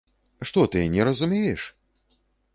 Што ты, не разумееш?